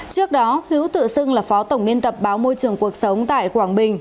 trước đó hữu tự xưng là phó tổng biên tập báo môi trường cuộc sống tại quảng bình